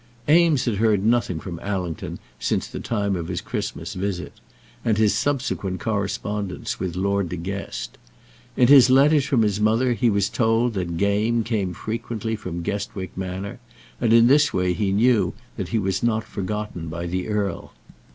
Eames had heard nothing from Allington since the time of his Christmas visit, and his subsequent correspondence with Lord De Guest. In his letters from his mother he was told that game came frequently from Guestwick Manor, and in this way he knew that he was not forgotten by the earl.